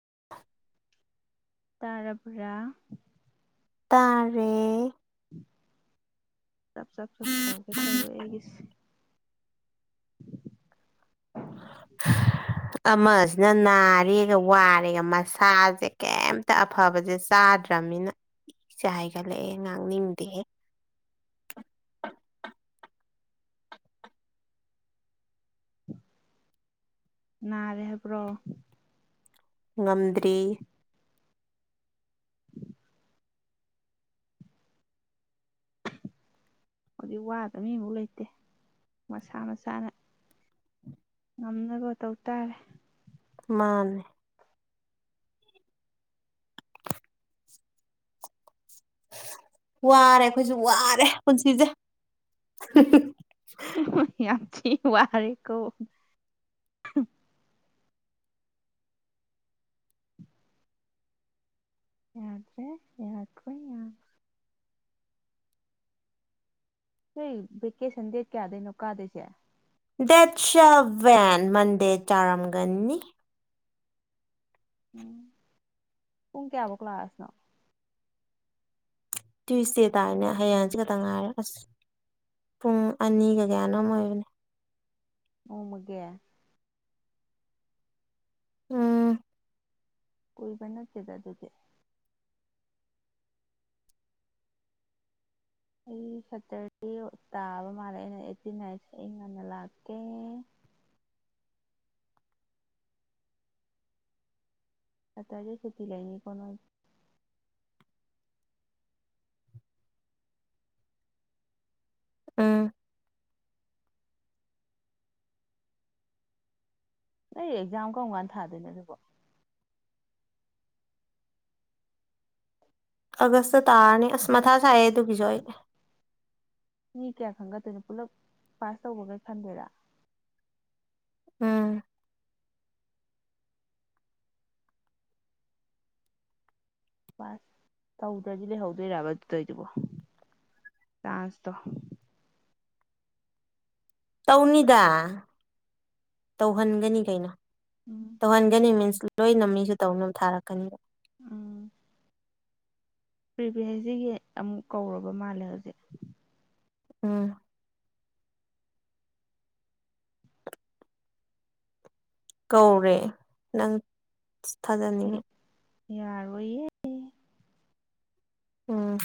[unintelligible] ꯇꯔꯥꯄꯨꯔꯥ ꯇꯔꯦ ꯆꯞ ꯆꯞ ꯆꯞ ꯇꯧꯒꯦ ꯇꯧꯋꯦ ꯑꯩꯒꯤꯁꯦ ꯑ ꯑꯃꯁꯤꯅ ꯅꯥꯔꯦꯒ ꯋꯥꯔꯦꯒ ꯃꯁꯥꯁꯦ ꯀꯩꯝꯇ ꯑꯐꯕꯁꯦ ꯆꯥ ꯌꯥꯗ꯭ꯔꯕꯅꯤꯅ ꯏꯁꯦ ꯍꯥꯏꯒꯠꯂꯛꯑꯦ ꯉꯍꯥꯛ ꯅꯤꯡꯗꯦꯍꯦ [unintelligible] ꯅꯥꯔꯦ ꯍꯥꯏꯕ꯭ꯔꯣ ꯉꯝꯗ꯭ꯔꯤ ꯍꯧꯖꯤꯛ ꯋꯥꯗꯕ ꯃꯤꯐꯥꯎ ꯂꯩꯇꯦ ꯃꯁꯥ ꯃꯁꯥꯅ ꯉꯝꯅꯕ ꯇꯧ ꯇꯥꯔꯦ ꯃꯥꯅꯦ ꯋꯥꯔꯦ ꯑꯩꯈꯣꯏꯁꯨ ꯋꯥꯔꯦ ꯄꯨꯟꯁꯤꯁꯦ ꯋꯥꯔꯦꯀꯣ ꯌꯥꯗ꯭ꯔꯦ ꯌꯥꯎꯗ꯭ꯔ ꯌꯥꯗ ꯀ ꯩꯀꯦ ꯁꯗꯦ ꯀꯌꯥꯗ ꯅꯣ ꯀꯥꯗ ꯆꯦ ꯗꯦꯠ ꯁ ꯚꯦꯟ ꯃꯟꯗꯦ ꯆꯥꯔꯝꯒꯅꯤ ꯎꯝ ꯄꯨꯡ ꯀꯌꯥꯕꯨꯣꯛ ꯀ꯭ꯂ ꯀ꯭ꯂꯥꯁꯅꯣ ꯇ꯭ꯋꯨꯁꯗꯦ ꯇꯥꯔꯅꯦ ꯍꯌꯦꯡꯁꯤ ꯈꯛꯇꯪ ꯉꯥꯏꯔꯦ ꯑꯁ ꯄꯨꯡ ꯑꯅꯤꯒ ꯀꯌꯥꯅꯣꯝ ꯑꯣꯏꯕꯅꯤ ꯎꯃꯒꯦ ꯎꯝ ꯀꯣꯏꯕ ꯅꯠꯇꯦꯗ ꯑꯗꯨꯗꯤ ꯑꯩ ꯁꯇꯔꯗꯦ ꯇꯥꯕ ꯃꯥꯜꯂꯦ ꯑꯩꯅ ꯑꯩꯠꯇꯤ ꯅꯥꯏꯟꯠꯁꯦ ꯑꯩ ꯉꯟꯅ ꯂꯥꯛꯀꯦ [unintelligible] ꯑ ꯇꯖꯦ ꯁꯇꯤ ꯂꯩꯌꯦ ꯀꯣ ꯎꯝ ꯅ ꯑꯦꯛꯖꯥꯝ ꯀꯔꯝ ꯀꯥꯟꯗ ꯊꯥꯗꯣꯏꯅꯣ ꯑꯗꯨꯕꯣ ꯑꯒꯁ ꯇꯥꯅꯤ ꯑꯁ ꯃꯊꯥ ꯆꯑ ꯇꯨ ꯀꯖꯣꯏ ꯈꯟꯒꯠꯇꯣꯏꯅ ꯄꯨꯜꯂꯞ ꯄꯥꯁ ꯇꯧꯕꯈꯩ ꯈꯟꯗꯣꯏꯔꯥ ꯎꯝ ꯑꯁ ꯇꯧꯗ꯭ꯔꯗꯤ ꯂꯩꯍꯧꯗꯣꯏꯔꯕ ꯑꯗꯨꯗꯩꯗꯨꯕꯣ ꯆꯥꯟꯁꯇ ꯇꯧꯅꯤꯗ ꯇꯧꯍꯟꯒꯅꯤ ꯀꯩꯅꯣ ꯎꯝ ꯇꯧꯍꯟꯒꯅꯤ ꯃꯤꯟꯁ ꯂꯣꯏꯅ ꯃꯤꯁꯨ ꯇꯧꯅꯕ ꯊꯥꯔꯛꯀꯅꯤ ꯑꯝ ꯄ꯭ꯔꯤꯚꯤ ꯍꯁꯁꯤꯒꯤ ꯑꯃꯨꯛ ꯀꯧꯔꯕ ꯃꯥꯜꯂꯦ ꯍꯧꯖꯤꯛ ꯎꯝ ꯀꯧꯔꯦ ꯅꯪ ꯊꯥꯖꯅꯤꯡꯉꯦ ꯌꯥꯔ ꯑꯣꯏꯌꯦ ꯎꯝ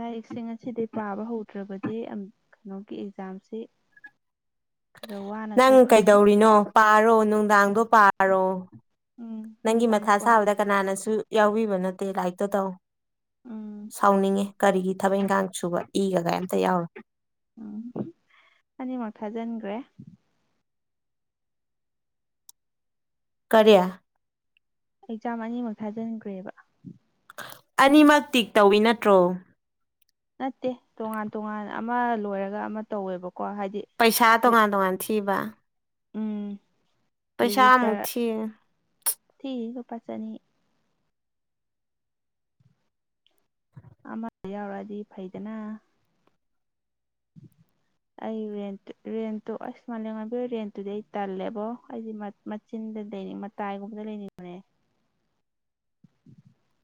ꯂꯥꯏꯔꯤꯛꯁꯤꯡ ꯑꯁꯤꯗꯤ ꯄꯥꯕ ꯍꯧꯗ꯭ꯔꯕꯗꯤ ꯀꯩꯅꯣꯒꯤ ꯑꯦꯛꯖꯥꯝꯁꯤ ꯈꯔ ꯋꯥꯅ ꯅꯪ ꯊꯣꯛꯀꯅꯤ ꯀꯩꯗꯧꯔꯤꯅꯣ ꯄꯥꯔꯣ ꯅꯨꯡꯗꯥꯡꯗꯣ ꯄꯥꯔꯣ ꯎꯝ ꯅꯪꯒꯤ ꯅꯨꯡꯗꯥꯡ ꯃꯊꯥ ꯋꯥꯏ ꯁꯥꯕꯗ ꯀꯅꯥꯅꯁꯨ ꯌꯥꯎꯕꯤꯕ ꯅꯠꯇꯦ ꯂꯥꯏꯔꯤꯛꯇꯣ ꯇꯧ ꯎꯝ ꯁꯥꯎꯅꯤꯡꯉꯦ ꯀꯔꯤꯒꯤ ꯊꯕꯛ ꯏꯪꯈꯥꯡ ꯁꯨꯕ ꯏꯒ ꯀꯩꯝꯇ ꯌꯥꯎꯔ ꯎꯝ ꯍꯅꯤꯃꯛ ꯊꯥꯖꯟꯈ꯭ꯔꯦ ꯀꯔꯤ ꯑꯦꯛꯖꯥꯝ ꯑꯅꯤꯃꯨꯛ ꯊꯥꯖꯤꯟꯈ꯭ꯔꯦꯕ ꯑꯅꯤꯃꯛ ꯇꯤꯛ ꯇꯧꯋꯤ ꯅꯠꯇ꯭ꯔꯣ ꯅꯠꯇꯦ ꯇꯣꯉꯥꯟ ꯇꯣꯉꯥꯟ ꯑꯃ ꯂꯣꯏꯔꯒ ꯑꯃ ꯇꯧꯋꯦꯕꯀꯣ ꯍꯥꯏꯗꯤ ꯄꯩꯁꯥ ꯇ ꯀꯥꯟꯗ ꯀꯥꯟ ꯊꯕ ꯎꯝ ꯄꯩꯁꯥꯝ ꯎꯊꯤ ꯊꯒꯄꯥ ꯆꯅꯤ ꯑꯃꯗ ꯌꯥꯎꯔꯛꯑꯗꯤ ꯐꯩꯗꯅ ꯎ ꯑꯩ ꯔꯦꯟꯨ ꯔꯦꯟꯇꯨ ꯑꯁ ꯃꯥꯂꯦꯝ ꯉꯕꯤꯣ ꯔꯦꯟꯇꯨꯗꯤ ꯑꯩ ꯇꯜꯂꯦꯕꯣ ꯑꯩꯗꯤ ꯃꯆꯤꯟ ꯂꯩꯔꯤ ꯃꯇꯥꯏꯒꯨꯝꯕꯗ ꯂꯩꯔꯤ ꯃꯅꯦ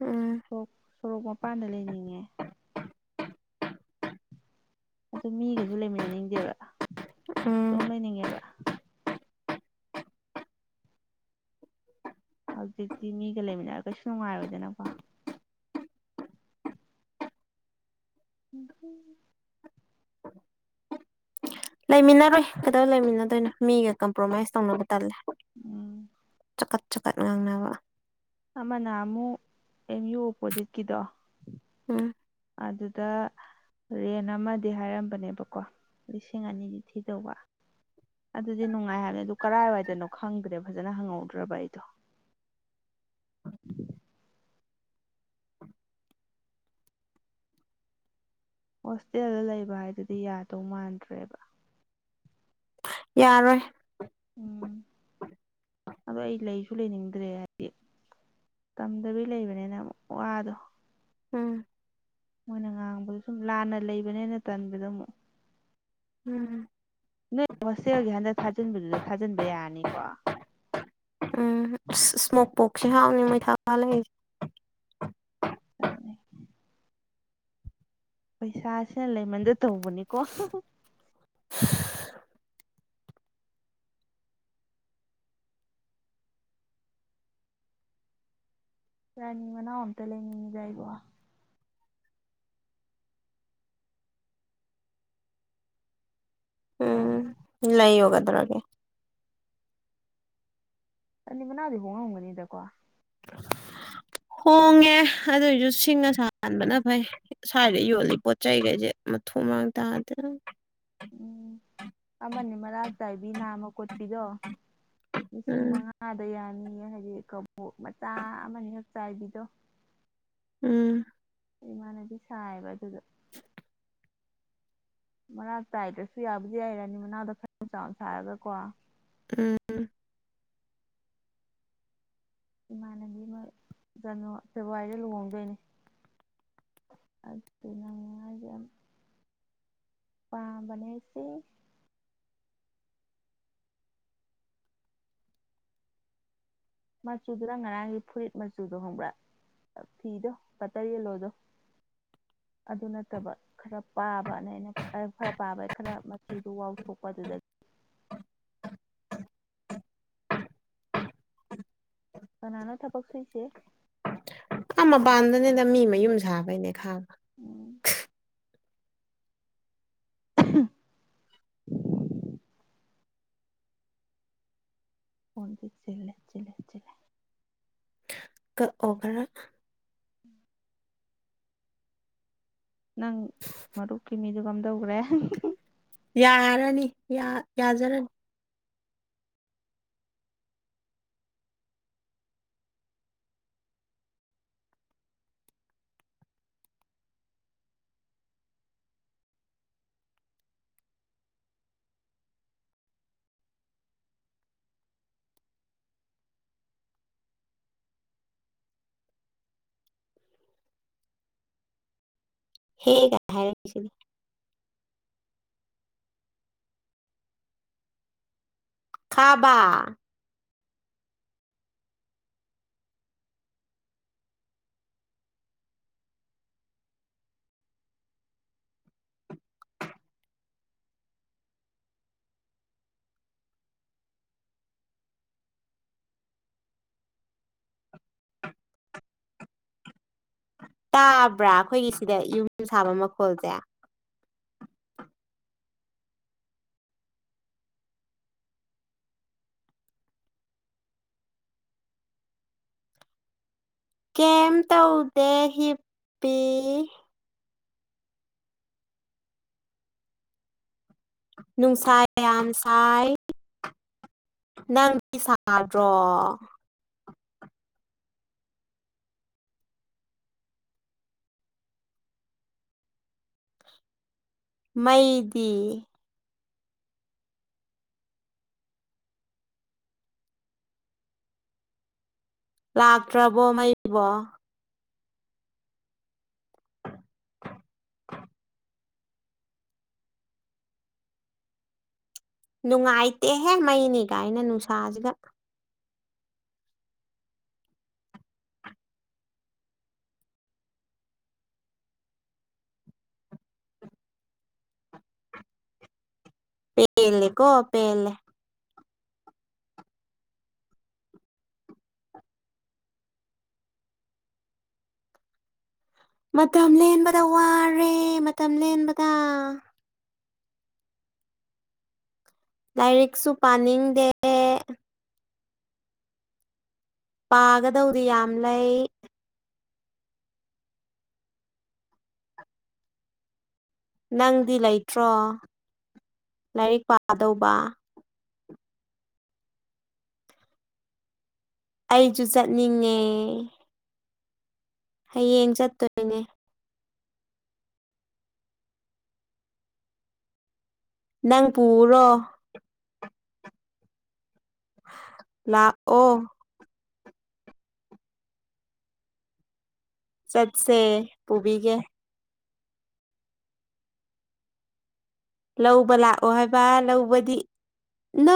ꯑ ꯁꯣꯔꯣꯛ ꯃꯄꯥꯟꯗ ꯂꯩꯅꯤꯡꯉꯦ ꯑꯗꯨ ꯃꯤꯒꯁꯨ ꯂꯩꯃꯤꯟꯅꯅꯤꯡꯗꯦꯕ ꯎꯝ ꯑꯗꯨꯝ ꯂꯩꯅꯤꯡꯉꯦꯕ ꯍꯧꯖꯤꯛꯇꯤ ꯃꯤꯒ ꯂꯩꯃꯤꯟꯅꯔ ꯀꯩꯁꯨ ꯅꯨꯡꯉꯥꯏꯔꯣꯏꯗꯅꯀꯣ ꯎꯝ ꯂꯩꯃꯤꯟꯅꯔꯣꯏ ꯀꯗꯧ ꯂꯩꯃꯤꯟꯅꯗꯣꯏꯅꯣ ꯃꯤꯒ ꯀꯝꯄ꯭ꯔꯣꯃꯥꯏꯁ ꯇꯧꯅꯕ ꯇꯜꯂꯦ ꯎꯝ ꯆꯀꯠ ꯆꯀꯠ ꯉꯥꯡꯅꯕ ꯑꯃꯅ ꯑꯃꯨꯛ ꯑꯦꯝ ꯌꯨ ꯑꯣꯄꯣꯖꯤꯠꯀꯤꯗꯣ ꯑ ꯑꯗꯨꯗ ꯔꯦꯟ ꯑꯃꯗꯤ ꯍꯥꯏꯔꯝꯕꯅꯦꯕꯀꯣ ꯂꯤꯁꯤꯡ ꯑꯅꯤꯗꯤ ꯊꯤꯗꯧꯕ ꯑꯗꯨꯗꯤ ꯅꯨꯡꯉꯥꯏ ꯍꯥꯏꯕꯅꯤ ꯑꯗꯨ ꯀꯔꯥꯏꯋꯥꯏꯗꯅꯣ ꯈꯪꯗ꯭ꯔꯦ ꯐꯖꯅ ꯍꯪꯍꯧꯗ꯭ꯔꯕ ꯑꯩꯗꯣ ꯎꯝ ꯍꯣꯁꯇꯦꯜꯗ ꯂꯩꯕ ꯍꯥꯏꯗꯨꯗꯤ ꯌꯥꯗꯧ ꯃꯥꯟꯗ꯭ꯔꯦꯕ ꯌꯥꯔꯣꯏ ꯎꯝ ꯑꯗꯣ ꯑꯩ ꯂꯩꯁꯨ ꯂꯩꯅꯤꯡꯗ꯭ꯔꯦ ꯍꯥꯏꯗꯤ ꯇꯝꯗꯕꯤ ꯂꯩꯕꯅꯤꯅ ꯋꯥꯗꯣ ꯎꯝ ꯃꯣꯏꯅ ꯉꯥꯡꯕꯗ ꯁꯨꯝ ꯂꯥꯟꯅ ꯂꯩꯕꯅꯦꯅ ꯇꯟꯕꯗ ꯑꯃꯨꯛ ꯎꯝ ꯅꯣꯏ ꯍꯣꯁꯇꯦꯜꯒꯤ ꯍꯟꯗꯛ ꯊꯥꯖꯤꯟꯕꯗꯨꯗ ꯊꯥꯖꯤꯟꯕ ꯌꯥꯔꯅꯤꯀꯣ ꯎꯝ ꯏꯁꯃꯣꯛꯕꯣꯛꯁꯤꯦ ꯍꯥꯎꯅꯤꯡ ꯃꯩ ꯊꯥ ꯂꯩ ꯌꯥꯅꯤ ꯄꯩꯁꯥꯁꯅ ꯂꯩꯃꯟꯗ ꯇꯧꯕꯅꯤꯀꯣ [unintelligible] ꯌꯥꯅꯤ ꯃꯅꯥ ꯍꯟ ꯇ ꯂꯩꯉꯅꯤꯖꯏꯕ ꯎꯝ ꯏ ꯂꯩ ꯌꯒ ꯑꯗꯨ꯭ꯔꯒꯦ ꯅꯤꯡꯉꯟꯅ ꯑꯗꯨꯗꯤ ꯍꯉ ꯎꯗꯤꯗꯀꯣ ꯍꯣꯡꯉꯦ ꯑꯗꯨꯏꯁꯨ ꯁꯤꯡ ꯑꯁꯕꯅ ꯐꯩ ꯁ꯭ꯋꯥꯏꯗ ꯌꯣꯜꯂꯤ ꯄꯣꯠ ꯆꯩꯈꯩꯁꯦ ꯃꯊꯣꯡ ꯃꯔꯥꯡ ꯇꯥꯗꯅ ꯎꯝ ꯎꯝ ꯑꯃꯅꯤ ꯃꯔꯥꯛ ꯆꯥꯏꯕꯤ ꯅꯥꯝꯃ ꯀꯣꯠꯄꯤꯗꯣ ꯂꯤꯁꯤꯡ ꯎꯝ ꯃꯉꯥꯗ ꯌꯥꯅꯤ ꯍꯥꯏꯗꯤ ꯀꯣꯛꯛ ꯃꯆꯥ ꯑꯃꯅꯤ ꯍ ꯆꯥꯏꯕꯤꯗꯣ ꯎꯝ ꯏꯃꯥꯟꯅꯗꯤ ꯁꯥꯏꯕ ꯑꯗꯨꯗ ꯃꯔꯛ ꯇꯥꯏꯗ꯭ꯔꯁꯨ ꯌꯥꯕꯨꯗꯤ ꯌꯥꯏꯔꯅꯤ ꯃꯅꯥꯎꯗ ꯈꯔ ꯆꯥꯎꯅ ꯁꯥꯔꯒ ꯀꯣ ꯎꯝ ꯏꯃꯥꯟꯅꯕꯤ ꯑꯃ ꯐꯦꯕꯋꯥꯔꯤꯗ ꯂꯨꯍꯣꯡꯗꯣꯏꯅꯤ ꯑꯗꯨ ꯌꯥꯝ ꯅꯨꯡꯉꯥꯏꯒꯤ ꯑꯕꯅꯦꯁꯤ ꯃꯆꯨꯗꯨꯅ ꯉꯔꯥꯡꯒꯤ ꯐꯨꯔꯤꯠ ꯃꯆꯨꯗꯣ ꯍꯣꯡꯕ꯭ꯔꯥ ꯐꯗ ꯄꯇꯥ ꯂꯣꯗꯣ ꯑꯗꯨ ꯅꯠꯇꯕ ꯈꯔ ꯄꯥꯕꯅ ꯑꯩꯅ ꯈꯔ ꯄꯥꯕꯒꯤ ꯈꯔ ꯃꯆꯨꯗꯨ ꯋꯥꯎꯊꯣꯛꯄ ꯑꯗꯨꯗꯒꯤ [unintelligible] ꯀꯅꯥꯅ ꯊꯕꯛ ꯁꯨꯏꯁꯦ ꯑ ꯃꯄꯥꯟꯗꯅꯤꯗ ꯃꯤ ꯃꯌꯨꯝ ꯁꯥꯕꯩꯅꯦ ꯈꯥ ꯎꯝ [unintelligible] ꯐꯣꯟ ꯁꯤꯁꯂ ꯁꯤꯂ ꯁꯤꯂ ꯀ ꯑꯣꯒꯔ ꯅꯪ ꯃꯔꯨꯞꯀꯤ ꯃꯤꯗꯨ ꯀꯝꯗꯧꯈ꯭ꯔꯦ ꯌꯥꯔꯅꯤ ꯌꯥꯖꯔꯅꯤ ꯍꯦꯒ ꯍꯥꯏ ꯈꯥꯕ ꯇꯥꯕ꯭ꯔꯥ ꯑꯩꯈꯣꯏꯒꯤ ꯁꯤꯗ ꯌꯨꯝ ꯁꯥꯕ ꯃꯈꯣꯜꯁꯦ ꯀꯦꯝ ꯇꯧꯗꯦ ꯍꯤꯞꯄꯤ ꯅꯨꯡꯁꯥꯏ ꯌꯥꯝꯝꯁꯥꯏ ꯅꯪꯕꯤ ꯁꯥꯗ꯭ꯔꯣ ꯃꯩꯗꯤ ꯂꯥꯛꯇ꯭ꯔꯕꯣ ꯃꯩꯕꯣ ꯅꯨꯡꯉꯥꯏꯇꯦꯍꯦ ꯃꯩꯅꯤ ꯀꯥꯏꯅ ꯅꯨꯡꯁꯥꯁꯤꯒ ꯄꯦꯂ ꯀꯣ ꯄꯦꯂꯦ ꯃꯇꯝ ꯂꯦꯟꯕꯗ ꯋꯥꯔꯦ ꯃꯇꯝ ꯂꯦꯟꯕꯗ ꯂꯥꯏꯔꯤꯛꯁꯨ ꯄꯥꯅꯤꯡꯗꯦ ꯄꯥꯒꯗꯧꯗꯤ ꯌꯥꯝ ꯂꯩ ꯅꯪꯗꯤ ꯂꯩꯇ꯭ꯔꯣ ꯂꯥꯏꯔꯤꯛ ꯄꯥꯗꯧꯕ ꯑꯩꯁꯨ ꯆꯠꯅꯤꯡꯉꯦ ꯍꯌꯦꯡ ꯆꯠꯇꯣꯏꯅꯦ ꯅꯪ ꯄꯨꯔꯣ ꯂꯥꯛꯑꯣ ꯆꯠꯁꯦ ꯄꯨꯕꯤꯒꯦ ꯂꯧꯕ ꯂꯥꯛꯑꯣ ꯍꯥꯏꯕ ꯂꯧꯕꯗꯤ ꯅ